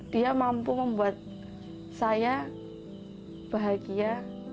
dia mampu membuat saya bahagia